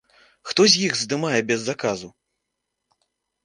Хто з іх здымае без заказу?